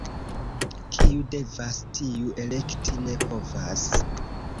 Kiu devas, tiu elekti ne povas.